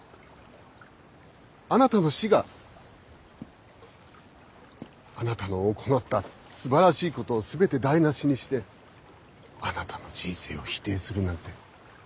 あなたの死があなたの行ったすばらしいことを全て台なしにしてあなたの人生を否定するなんて